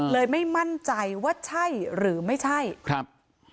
ไม่มั่นใจว่าใช่หรือไม่ใช่ครับ